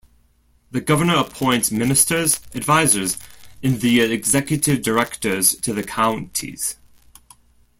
The Governor appoints ministers, advisors, and the Executive Directors to the Counties.